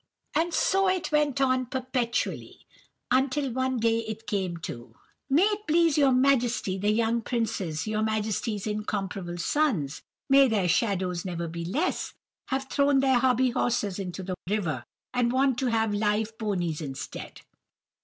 "And so it went on perpetually, until one day it came to,— "'May it please your Majesty, the young princes, your Majesty's incomparable sons—may their shadows never be less!—have thrown their hobbyhorses into the river, and want to have live ponies instead.